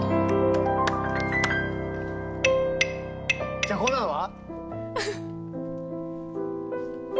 じゃあこんなのは？